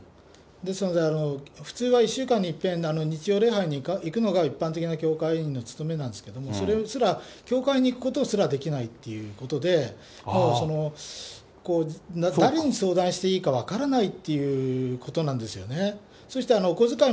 ですので、普通は１週間にいっぺん、日曜礼拝に行くのが一般的な教会員のつとめなんですけど、それすら、教会に行くことすらできないっていうことで、もうその、誰に相談していいか分からないっていうことなんですよね。